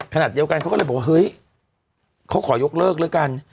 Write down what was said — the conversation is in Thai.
ขณะเดียวกันเขาก็เลยบอกว่าเฮ้ยเขาขอยกเลิกแล้วกัน